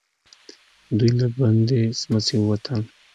دوئ له بندې سمڅې ووتل.